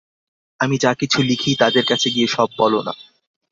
আমি যা কিছু লিখি, তাদের কাছে গিয়ে সব বল না।